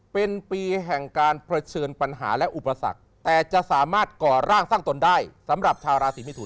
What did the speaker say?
เป็นปีแห่งการเผชิญปัญหาและอุปสรรคแต่จะสามารถก่อร่างสร้างตนได้สำหรับชาวราศีมิถุน